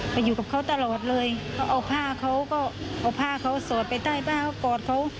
ไปอยู่กับเขาตลอดเลยเขาเอาผ้าเขาก็เอาผ้าเขาสอดไปใต้ผ้าเขากอดเขา